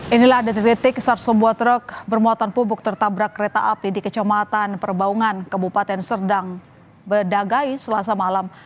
inilah detik detik saat sebuah truk bermuatan pupuk tertabrak kereta api di kecamatan perbaungan kabupaten serdang bedagai selasa malam